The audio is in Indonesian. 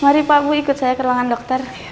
mari pak bu ikut saya ke ruangan dokter